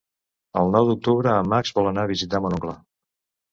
El nou d'octubre en Max vol anar a visitar mon oncle.